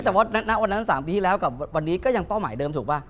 แต่ว่าณวันนั้น๓ปีที่แล้วกับวันนี้ก็ยังเป้าหมายเดิมถูกป่ะ